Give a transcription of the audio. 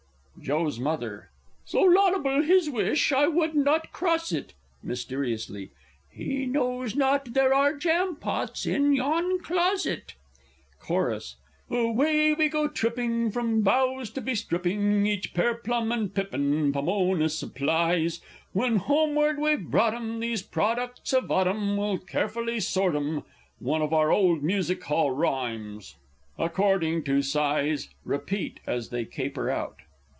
Joe's M. So laudable his wish, I would not cross it (Mysteriously.) He knows not there are jam pots in yon closet! Chorus. Away we go tripping, From boughs to be stripping Each pear, plum, and pippin Pomona supplies! When homeward we've brought 'em, Those products of Autumn, We'll carefully sort 'em (One of our old Music hall rhymes), According to size! [_Repeat as they caper out.